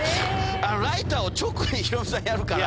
ライターを直にヒロミさんやるから。